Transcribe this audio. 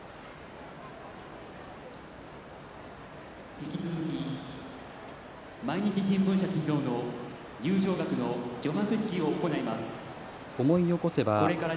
引き続き毎日新聞社寄贈の優勝額の除幕式を始めます。